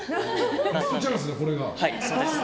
ラストチャンスだ、これが。